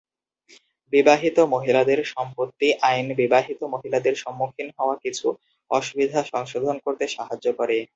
বিবাহিত মহিলাদের সম্পত্তি আইন বিবাহিত মহিলাদের সম্মুখীন হওয়া কিছু অসুবিধা সংশোধন করতে সাহায্য করে।